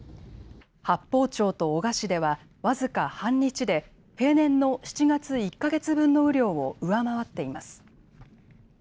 八峰町と男鹿市では僅か半日で平年の７月１か月分の雨量を上回っています。